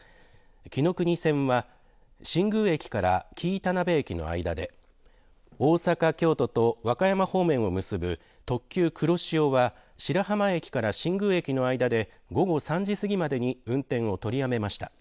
きのくに線は新宮駅から紀伊田辺駅の間で、大阪・京都と和歌山方面を結ぶ特急くろしおは白浜駅から新宮駅の間で午後３時過ぎまでに運転を取りやめました。